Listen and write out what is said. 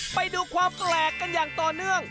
ไปดูความแปลกกันอย่างต่อเนื่อง